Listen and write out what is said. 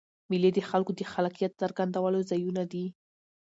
مېلې د خلکو د خلاقیت څرګندولو ځایونه دي.